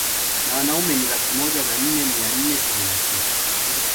Na wanaume ni laki moja na nne mia nne kumi na tisa